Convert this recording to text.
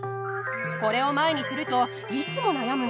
これを前にするといつも悩むの。